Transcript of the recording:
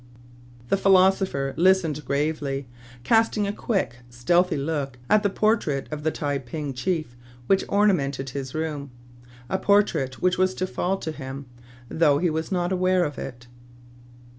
The philosopher listened gravely, casting a quick, stealthy look at the portrait of the Tai ping chief which ornamented his room, — a portrait which was to fall to him, though he was not aware of it.